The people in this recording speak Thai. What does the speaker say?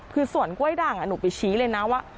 คือสวนกล้วยด่างหนูไปชี้เลยนะว่า